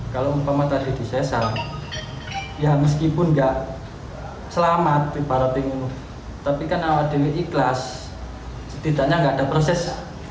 kalau umpama tadi disesat ya meskipun tidak selamat di parating ini tapi karena adiknya ikhlas setidaknya tidak ada proses